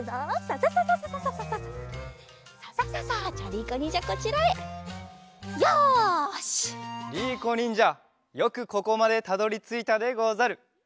りいこにんじゃよくここまでたどりついたでござる。